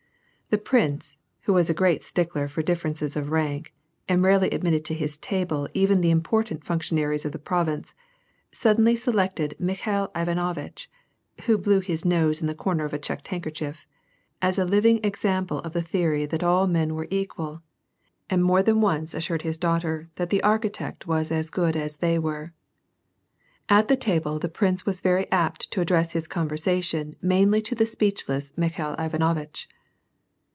The prince, who was a great stickler for differences of rank, and rarely admitted to his table even the important functionaries of the province, suddenly selected Mikhail Ivan ovitch (who blew his nose in the corner on a checked hand kerchief) as a living example of the theory that all men were equal, and more than once assured his daughter that the archi * MarlboroagU is going to the war. God knows when he'U come back again. WAR AND PEACE. 117 tect was as good as they were. At the table the prince was veiy apt to address his conversation mainly to the speechless Mikhail Ivanovitch.